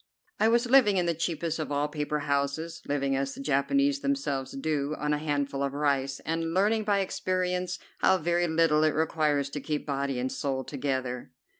I was living in the cheapest of all paper houses, living as the Japanese themselves do, on a handful of rice, and learning by experience how very little it requires to keep body and soul together.